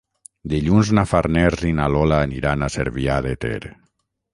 Dilluns na Farners i na Lola iran a Cervià de Ter.